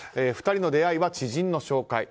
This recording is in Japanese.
２人の出会いは知人の紹介。